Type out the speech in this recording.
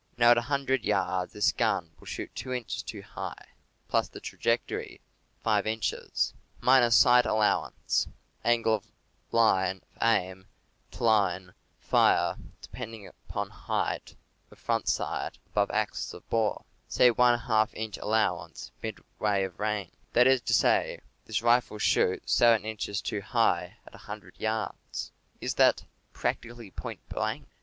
Now, at 100 yards this gun will shoot two inches too high, plus the tra jectory (5^ inches), minus sight allowance (angle of line of aim to line of fire depending upon height of front sight above axis of bore — say one half inch al lowance midway of range) — that is to say, this rifle shoots seven inches too high at 100 yards! Is that ''£ractically point blank